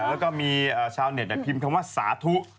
แล้วก็มีชาวเน็ตพิมพ์คำว่าสาธุ